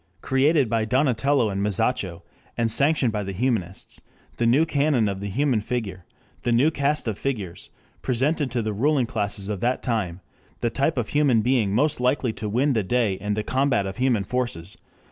"Created by Donatello and Masaccio, and sanctioned by the Humanists, the new canon of the human figure, the new cast of features ... presented to the ruling classes of that time the type of human being most likely to win the day in the combat of human forces...